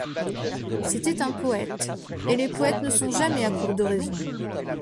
C'était un poète, et les poètes ne sont jamais à court de raisons.